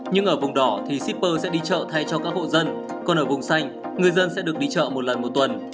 nhưng ở vùng đỏ thì shipper sẽ đi chợ thay cho các hộ dân còn ở vùng xanh người dân sẽ được đi chợ một lần một tuần